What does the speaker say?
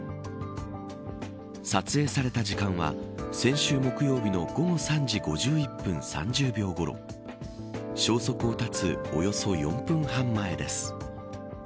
撮影された時間は先週木曜日の午後３時５１分３０秒ごろ消息を絶つおよそ４分半前です。